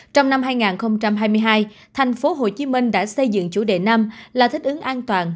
trong năm hai nghìn hai mươi hai thành phố hồ chí minh đã xây dựng chủ đề năm là thích ứng an toàn